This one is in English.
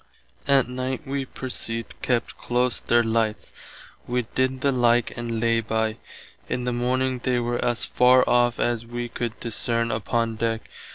Att night wee perceived kept close their lights. Wee did the like and lay by. In the morning they were as far off as [wee] could discerne upon deck.